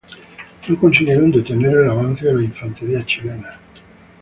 No consiguieron detener el avance de la infantería chilena.